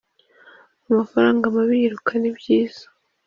amafaranga mabi yirukana ibyiza.